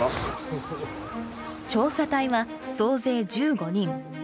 調査隊は総勢１５人。